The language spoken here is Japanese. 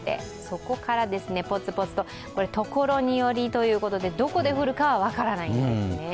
そこからポツポツと、所によりということで、どこで降るかは分からないんですね。